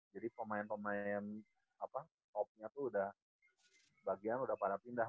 jadi pemain pemain apa topnya tuh udah sebagian udah pada pindah